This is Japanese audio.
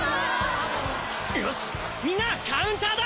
よしみんなカウンターだ！